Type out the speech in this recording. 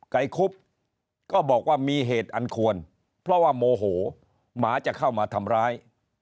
ไก่คุบก็บอกว่ามีเหตุอันควรเพราะว่าโมโหหมาจะเข้ามาทำร้าย